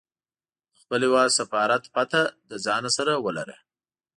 د خپل هیواد سفارت پته له ځانه سره ولره.